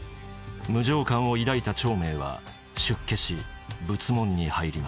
無常観を抱いた長明は出家し仏門に入ります。